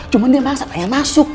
cuman dia masa tanya masuk